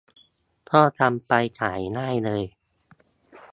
ก็ทำไปขายได้เลย